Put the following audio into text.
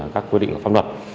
các quy định pháp luật